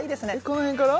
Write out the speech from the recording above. この辺から？